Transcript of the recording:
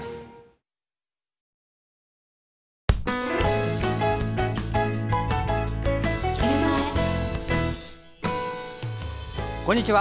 こんにちは。